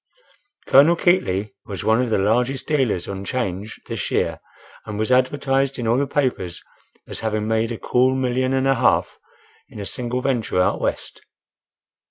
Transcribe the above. Colonel Keightly was one of the largest dealers on 'Change this year and was advertised in all the papers as having made a cool million and a half in a single venture out West.